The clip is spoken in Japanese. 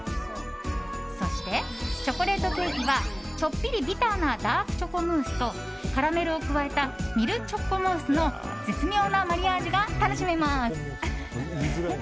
そして、チョコレートケーキはちょっぴりビターなダークチョコムースとカラメルを加えたミルクチョコムースの絶妙なマリアージュが楽しめます。